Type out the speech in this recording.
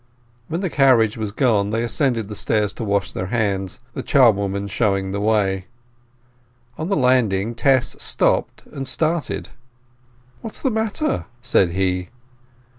When the carriage was gone they ascended the stairs to wash their hands, the charwoman showing the way. On the landing Tess stopped and started. "What's the matter?" said he.